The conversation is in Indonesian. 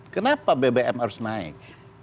kenapa bbm harus naik